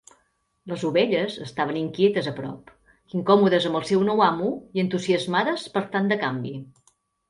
Les ovelles estaven inquietes a prop, incòmodes amb el seu nou amo i entusiasmades per tant de canvi.